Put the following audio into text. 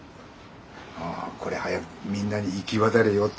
おこれ早くみんなに行き渡れよと。